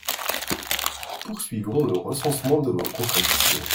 Poursuivons le recensement de vos contradictions.